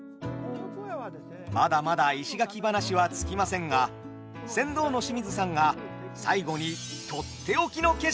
まだまだ石垣話は尽きませんが船頭の清水さんが最後にとっておきの景色を見せてくださいました。